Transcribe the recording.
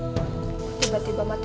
tiba tiba mati lampu ya bang ya